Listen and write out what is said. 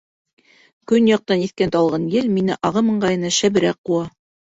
Көньяҡтан иҫкән талғын ел мине ағым ыңғайына шәберәк ҡыуа.